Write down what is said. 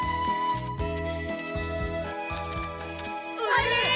あれ？